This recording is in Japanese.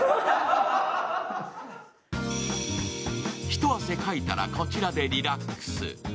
一汗かいたら、こちらでリラックス。